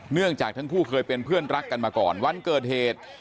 เนื่องจากทั้งคู่เคยเป็นเพื่อนรักกันมาก่อนวันเกิดเหตุ